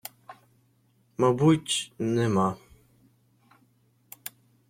- Мабуть, нема...